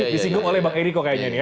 disinggung oleh bang eriko kayaknya nih ya